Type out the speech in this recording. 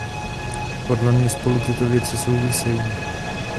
Podle mě spolu tyto věci souvisejí.